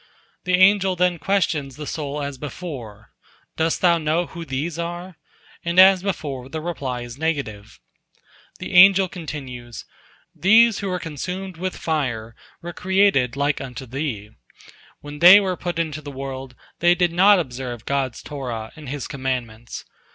The angel then questions the soul as before, "Dost thou know who these are?" and as before the reply is negative. The angel continues: "These who are consumed with fire were created like unto thee. When they were put into the world, they did not observe God's Torah and His commandments.